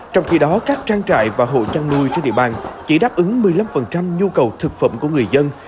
trong khi đó các trang trại và hộ chăn nuôi trên địa bàn chỉ đáp ứng một mươi năm nhu cầu thực phẩm của người dân